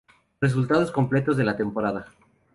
Resultados completos de la temporada.